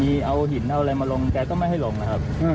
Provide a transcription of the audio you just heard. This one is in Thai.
มีเอาหินเอาอะไรมาลงแกก็ไม่ให้ลงนะครับ